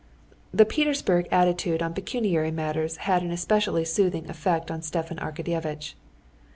The Petersburg attitude on pecuniary matters had an especially soothing effect on Stepan Arkadyevitch.